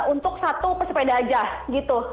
untuk satu pesepeda aja gitu